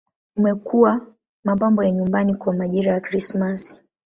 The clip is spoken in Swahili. Umekuwa mapambo ya nyumbani kwa majira ya Krismasi.